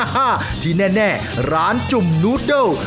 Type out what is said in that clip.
ที่แน่ร้านจุ่มนูดเดิล